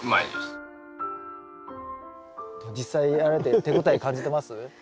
実際やられて手応え感じてます？